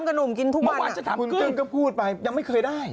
กระหนุ่มกินทุกวันคุณกึ้งก็พูดไปยังไม่เคยได้